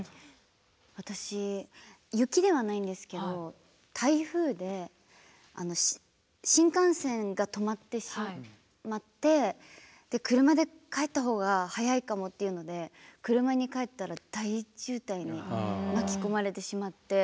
私雪ではないんですけど台風で新幹線が止まってしまって車で帰った方が早いかもっていうので車で帰ったら大渋滞に巻き込まれてしまって。